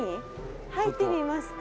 入ってみますか？